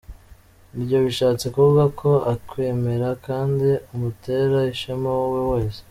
Ibyo bishatse kuvuga ko akwemera kandi umutera ishema wowe wese.